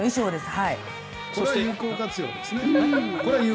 これは有効活用ですね。